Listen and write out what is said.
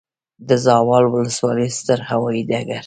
د زاول وسلوالی ستر هوایي ډګر